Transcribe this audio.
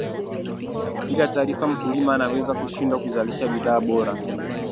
bila taarifa mkulima anaweza kushindwa kuzalisha bidhaa bora